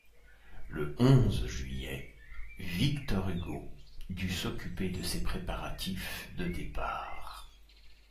Le onze juillet, Victor Hugo dut s’occuper de ses préparatifs de départ.